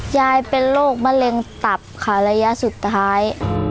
ยายเป็นโรคมะเร็งตับค่ะระยะสุดท้าย